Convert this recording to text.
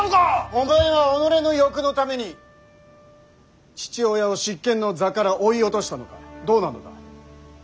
お前は己の欲のために父親を執権の座から追い落としたのかどうなのだ。